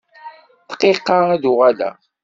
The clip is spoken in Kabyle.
Dqiqa ad d-uɣaleɣ.